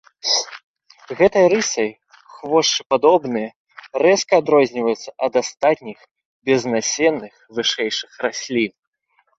Гэтай рысай хвошчападобныя рэзка адрозніваюцца ад астатніх безнасенных вышэйшых раслін.